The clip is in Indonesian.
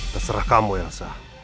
terserah kamu elsa